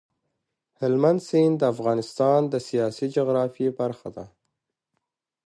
هلمند سیند د افغانستان د سیاسي جغرافیې برخه ده.